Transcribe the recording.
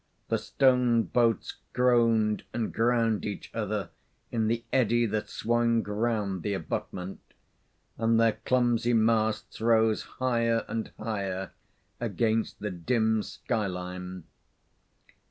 The stone boats groaned and ground each other in the eddy that swung round the abutment, and their clumsy masts rose higher and higher against the dim sky line.